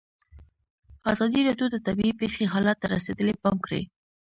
ازادي راډیو د طبیعي پېښې حالت ته رسېدلي پام کړی.